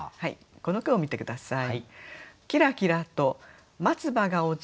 この句を見て下さい。